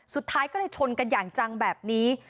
สุดท้ายก็เลยชนกันอย่างจังแบบนี้